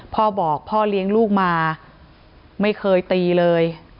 พ่อบอกพ่อเลี้ยงลูกมาไม่เคยตีเลย